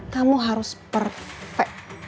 kamu harus perfect